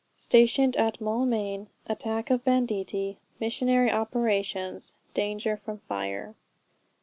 STATIONED AT MAULMAIN. ATTACK OF BANDITTI. MISSIONARY OPERATIONS. DANGER FROM FIRE.